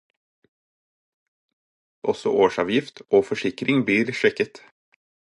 Også årsavgift og forsikring blir sjekket.